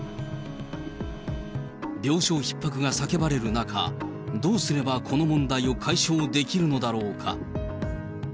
病床ひっ迫が叫ばれる中、どうすればこの問題を解消できるのだろうか。